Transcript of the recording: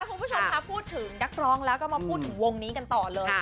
คุณผู้ชมค่ะพูดถึงนักร้องแล้วก็มาพูดถึงวงนี้กันต่อเลย